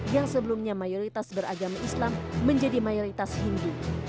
yang sebelumnya mayoritas beragama islam menjadi mayoritas hindu